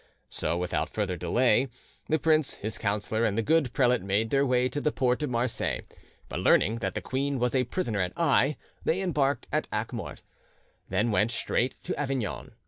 So, without further delay, the prince, his counsellor, and the good prelate made their way to the port of Marseilles, but learning that the queen was a prisoner at Aix, they embarked at Acque Morte, and went straight to Avignon.